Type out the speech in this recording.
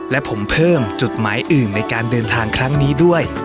และผมเพิ่มจุดหมายอื่นในการเดินทางครั้งนี้ด้วย